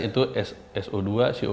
jadi itu adalah yang terakhir